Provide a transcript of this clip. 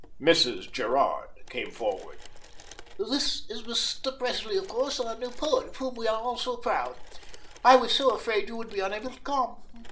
Mrs. Gerard came forward. "This is Mr. Presley, of course, our new poet of whom we are all so proud. I was so afraid you would be unable to come.